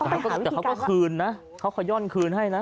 แต่เขาก็คืนนะเขาขย่อนคืนให้นะ